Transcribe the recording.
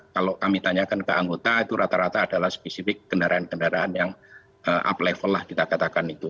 kalau kami tanyakan ke anggota itu rata rata adalah spesifik kendaraan kendaraan yang up level lah kita katakan itu